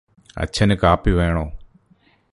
അച്ഛന് കാപ്പി വേണോ?